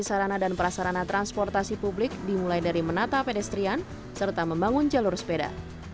sarana dan prasarana transportasi publik dimulai dari menata pedestrian serta membangun jalur sepeda